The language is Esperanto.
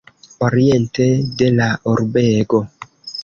Oriente de la urbego.